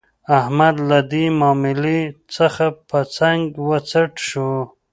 احمد له دې ماملې څخه په څنګ و څټ شو.